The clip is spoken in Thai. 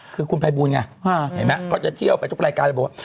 คือคุณพัยบูนไงเห็นมั้ยก็จะเที่ยวไปทุกรายการบอกว่า